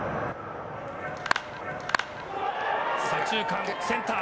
左中間センター。